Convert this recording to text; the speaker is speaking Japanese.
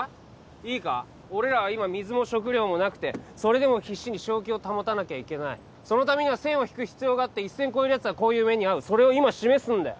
いいか俺らは今水も食料もなくてそれでも必死に正気を保たなきゃいけないそのためには線を引く必要があって一線越えるやつはこういう目にあうそれを今示すんだよ